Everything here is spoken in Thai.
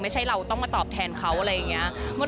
ไม่ใช่เราต้องมาตอบแทนเขาอะไรอย่างนี้